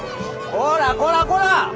こらこらこら！